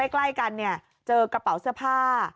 ใกล้กันเจอกระเป๋าเสื้อผ้า